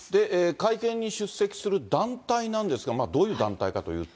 会見に出席する団体なんですが、どういう団体かというと。